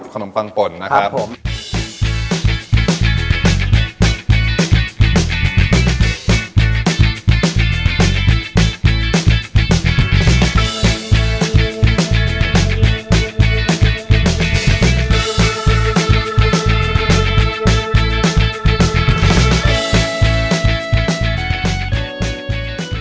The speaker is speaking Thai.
ขนมปังป่นนะครับผมครับผมครับผม